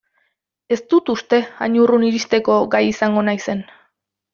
Ez dut uste hain urrun iristeko gai izango naizen.